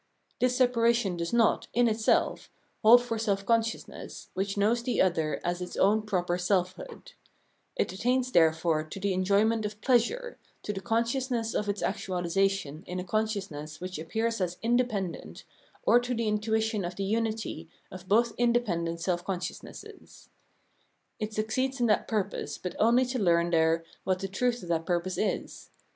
This separation does not, in itself, hold for self consciousness, which knows the other as its own proper self hood. It attains therefore to the * Faust, t Cp. Spenser's Faerie Quecno, Bk. 2 ; Canto 12, .54. 352 Phenomenology of Mind enjoyment of Pleasure, to the consciousness of its actualisation in a consciousness which appears as inde pendent, or to the intuition of the unity of both inde pendent self consciousnesses. It succeeds in its purpose, but only to learn there what the truth of that purpose is.